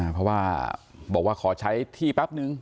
เพราะว่าบอกว่าขอใช้ที่แป๊บนึง